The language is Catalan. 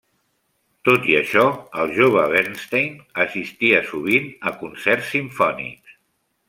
Tot i això, el jove Bernstein assistia sovint a concerts simfònics.